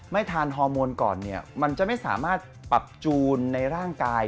ทานฮอร์โมนก่อนเนี่ยมันจะไม่สามารถปรับจูนในร่างกาย